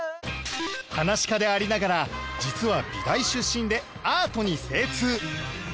噺家でありながら実は美大出身でアートに精通